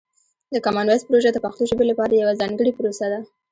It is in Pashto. د کامن وایس پروژه د پښتو ژبې لپاره یوه ځانګړې پروسه ده.